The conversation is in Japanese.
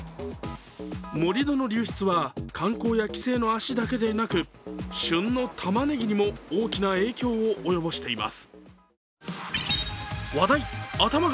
盛り土の流出は観光や帰省の足だけでなく旬のたまねぎにも大きな影響を及ぼしています